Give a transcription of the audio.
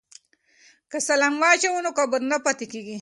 که سلام واچوو نو کبر نه پاتې کیږي.